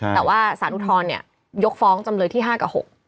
แต่ว่าสารอุทธรณ์ยกฟ้องจำเลยที่๕กับ๖